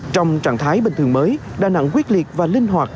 trong trạng thái bình thường mới đà nẵng quyết liệt và linh hoạt